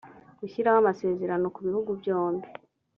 gushyiraho amasezerano kubihugu byombi